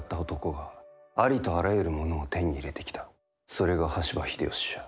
それが羽柴秀吉じゃ。